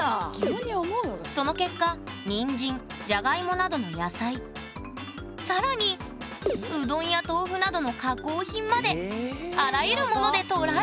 その結果にんじんじゃがいもなどの野菜更にうどんや豆腐などの加工品まであらゆるものでトライすることに！